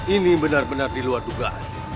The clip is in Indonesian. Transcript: ini benar benar di luar dugaan